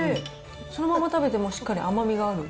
そのまま食べてもしっかり甘みがある。